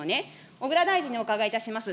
小倉大臣にお伺いいたします。